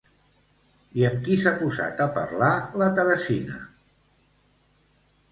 I amb qui s'ha posat a parlar la Teresina?